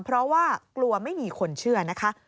เพราะว่ากลัวไม่มีคนเชื่อนะคะ